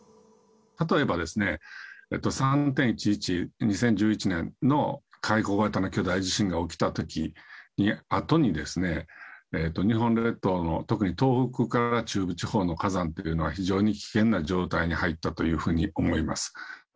例えば、３・１１、２０１１年の海溝型の巨大地震が起きたときに、あとに、日本列島の特に東北から中部地方の火山というのは、非常に危険な状態に入ったというふうに思います。